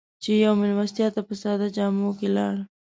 چې يوې مېلمستیا ته په ساده جامو کې لاړ.